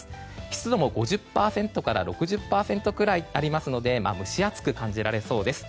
湿度も５０％から６０％くらいありますので蒸し暑く感じられそうです。